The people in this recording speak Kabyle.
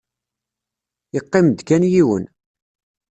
Yeqqim-d kan yiwen.